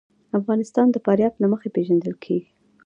افغانستان د فاریاب له مخې پېژندل کېږي.